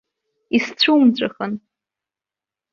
Исцәумҵәахын!